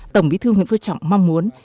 tổng bí thư nguyễn phước trọng mong muốn